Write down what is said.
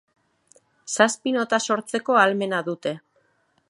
Zazpi nota sortzeko ahalmena dute.